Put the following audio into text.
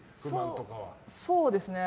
そうですね。